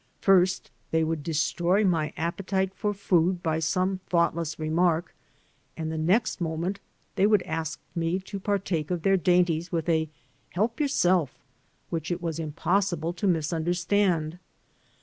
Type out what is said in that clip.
First they would destroy my appe tite for food by some thoughtless remark and the next moment they would ask me to partake of their dainties with a "Help yourself" which it was impossible to misunderstand.